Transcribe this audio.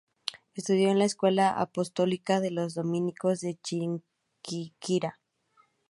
Estudió en la Escuela Apostólica de los dominicos de Chiquinquirá.